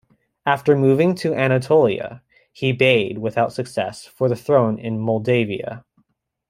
After moving to Anatolia, he bade without success for the throne in Moldavia.